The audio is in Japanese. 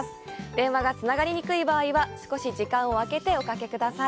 電話がつながりにくい場合は少し時間をあけておかけください。